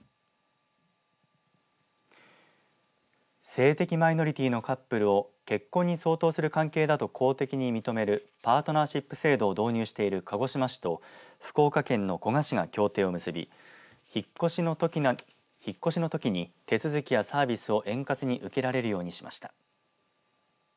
性的マイノリティーのカップルを結婚に相当する関係だと公的に認めるパートナーシップ制度を導入している鹿児島市と福岡県の古賀市が協定を結び引っ越しのときに手続きやサービスを円滑に受けられるようにしました。